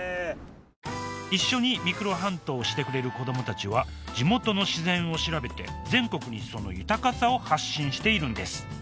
一緒にミクロハントをしてくれる子どもたちは地元の自然を調べて全国にその豊かさを発信しているんです。